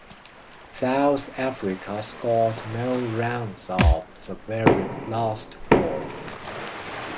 South Africa scored no runs off the very last ball.